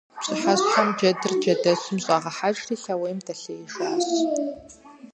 Пщыхьэщхьэм джэдыр джэдэщым щӀыхьэжри лъэуейм дэлъеижащ.